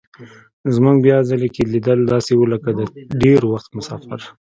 زموږ بیا ځلي لیدل داسې وو لکه د ډېر وخت مسافر.